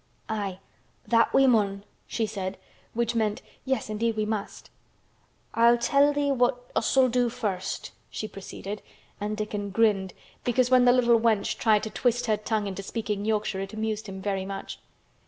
"Aye, that we mun," she said (which meant "Yes, indeed, we must"). "I'll tell thee what us'll do first," she proceeded, and Dickon grinned, because when the little wench tried to twist her tongue into speaking Yorkshire it amused him very much.